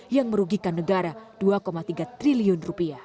yang merugikan negara rp dua tiga triliun